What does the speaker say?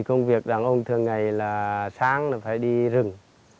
công việc đàn ông thường ngày là sáng là phải đi rừng